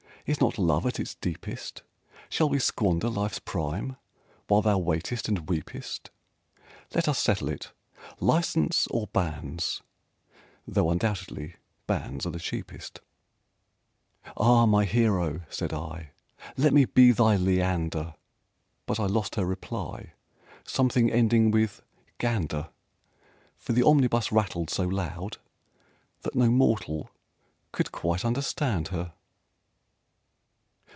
Is not Love at its deepest? Shall we squander Life's prime, While thou waitest and weepest? Let us settle it, License or Banns? though undoubtedly Banns are the cheapest." "Ah, my Hero," said I, "Let me be thy Leander!" But I lost her reply Something ending with "gander" For the omnibus rattled so loud that no mortal could quite understand her.